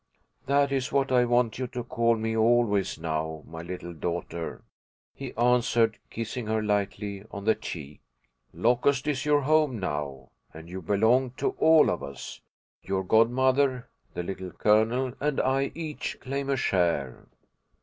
"That is what I want you to call me always now, my little daughter," he answered, kissing her lightly on the cheek. "Locust is your home now, and you belong to all of us. Your godmother, the Little Colonel, and I each claim a share."